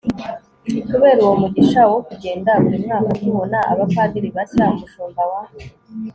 kubera uwo mugisha wo kugenda buri mwaka tubona abapadiri bashya, umushumba wa